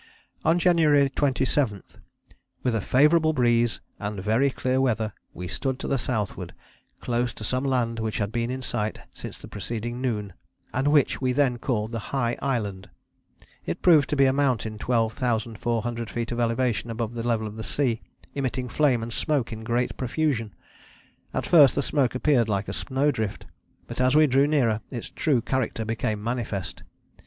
On January 27, "with a favourable breeze and very clear weather, we stood to the southward, close to some land which had been in sight since the preceding noon, and which we then called the High Island; it proved to be a mountain twelve thousand four hundred feet of elevation above the level of the sea, emitting flame and smoke in great profusion; at first the smoke appeared like snowdrift, but as we drew nearer its true character became manifest....